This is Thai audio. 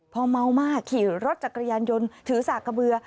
พอเมามากขี่รถจักรยานยนต์ถือสากกระเบือ